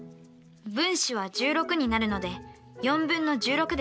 分子は１６になるので４分の１６です。